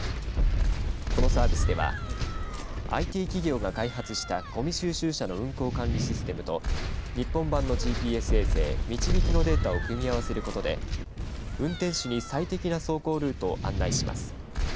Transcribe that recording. このサービスではＩＴ企業が開発したごみ収集車の運行管理システムと日本版のＧＰＳ衛星、みちびきのデータを組み合わせることで運転手に最適な走行ルートを案内します。